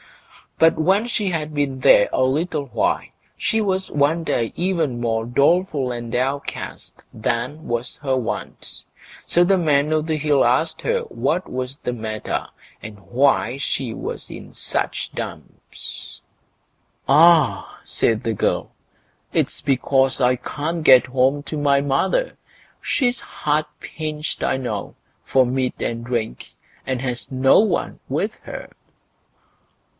But when she had been there a little while, she was one day even more doleful and downcast than was her wont. So the Man o' the Hill asked her what was the matter, and why she was in such dumps. "Ah!" said the girl, "it's because I can't get home to my mother. She's hard pinched, I know, for meat and drink, and has no one with her."